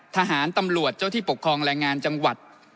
ทหารตำรวจเจ้าที่ปกครองแรงงานจังหวัด